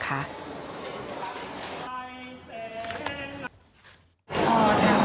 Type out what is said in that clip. พ่อทำเมื่อวานให้แม่มาของลูกน้องนายนะครับ